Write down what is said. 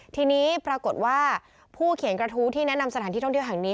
ทีนี้ปรากฏว่าผู้เขียนกระทู้ที่แนะนำสถานที่ท่องเที่ยวแห่งนี้